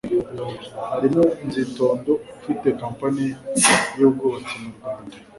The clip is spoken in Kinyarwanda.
harimo Nzitondo ufite Company y'ubwubatsi mu Rwanda,